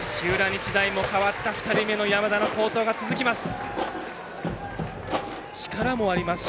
日大も代わった２人目の山田の好投が続きます。